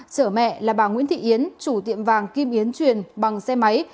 chở mẹ là bà nguyễn thị yến chủ tiệm vàng kim yến truyền bằng xe máy